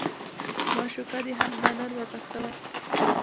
معشوقه دې همدا نن وتښتوه.